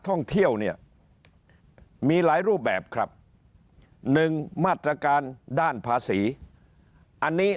ท่องเที่ยวเนี่ยมีหลายรูปแบบครับหนึ่งมาตรการด้านภาษีอันนี้